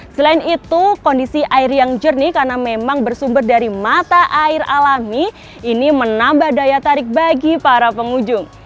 selain itu kondisi air yang jernih karena memang bersumber dari mata air alami ini menambah daya tarik bagi para pengunjung